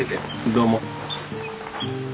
どうも。